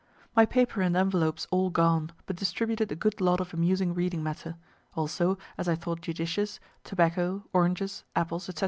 My paper and envelopes all gone, but distributed a good lot of amusing reading matter; also, as I thought judicious, tobacco, oranges, apples, &c.